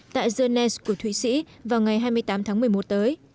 tại genet của thụy sĩ vào ngày hai mươi tám tháng một mươi một tới